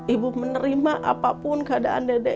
ibu menerima apapun keadaan dedek